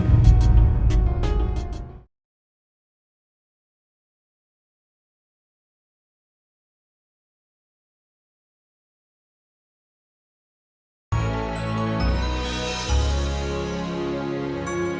tuhan alex teruyorsun